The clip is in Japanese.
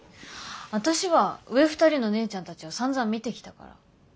私は上２人の姉ちゃんたちをさんざん見てきたから。